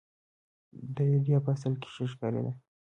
دا اېډیا په اصل کې ښه ښکارېده.